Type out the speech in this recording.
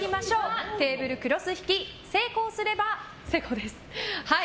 テーブルクロス引き成功すれば成功です。